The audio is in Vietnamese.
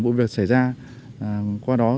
bộ việc xảy ra qua đó